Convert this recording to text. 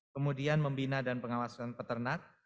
kemudian membina dan pengawasan peternak